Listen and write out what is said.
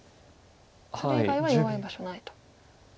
それ以外は弱い場所ないと。